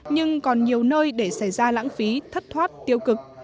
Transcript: nhưng còn nhiều nơi để xảy ra lãng phí thất thoát tiêu cực